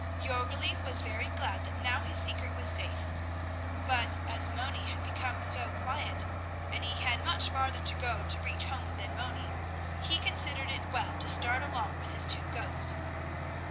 Jörgli was very glad that now his secret was safe; but as Moni had become so quiet, and he had much farther to go to reach home than Moni, he considered it well to start along with his two goats.